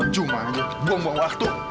cuma buang buang waktu